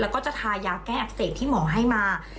แล้วก็จะทายาแก้อักเสบที่หมอให้มา